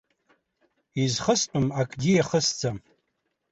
Изхыстәым акгьы иахысӡам.